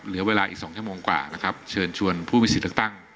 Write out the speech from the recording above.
เหลือเวลาอีก๒ชั่วโมงกว่านะครับเชิญชวนผู้มีสิทธิ์เลือกตั้ง